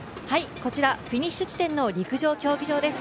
こちら、フィニッシュ地点の陸上競技場です。